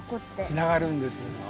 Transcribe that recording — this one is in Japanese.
つながるんですよ。